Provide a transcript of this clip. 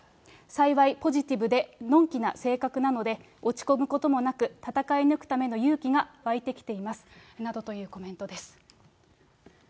幸い、ポジティブでのんきな性格なので、落ち込むこともなく、闘い抜くための勇気が湧いてきています。などというコメントです。